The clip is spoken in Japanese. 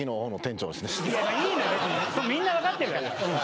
みんな分かってるから。